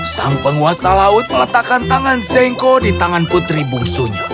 sang penguasa laut meletakkan tangan zengko di tangan putri bungsunya